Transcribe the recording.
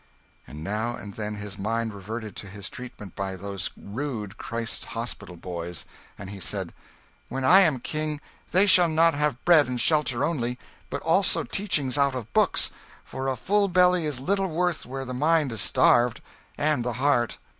And now and then his mind reverted to his treatment by those rude Christ's Hospital boys, and he said, "When I am king, they shall not have bread and shelter only, but also teachings out of books; for a full belly is little worth where the mind is starved, and the heart.